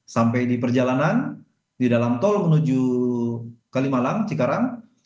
sampai di perjalanan di dalam tol menuju kalimalang cikarang